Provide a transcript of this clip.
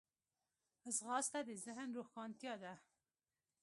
ځغاسته د ذهن روښانتیا ده